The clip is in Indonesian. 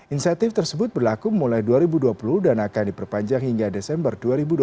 insentif tersebut berlaku mulai dua ribu dua puluh dan akan diperpanjang hingga desember dua ribu dua puluh